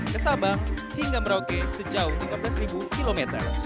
ke sabang hingga merauke sejauh lima belas km